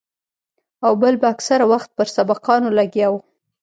او بل به اکثره وخت پر سبقانو لګيا وو.